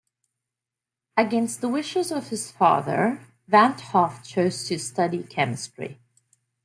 Against the wishes of his father, Van 't Hoff chose to study chemistry.